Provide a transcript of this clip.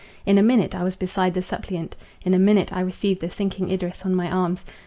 In a minute I was beside the suppliant, in a minute I received the sinking Idris in my arms.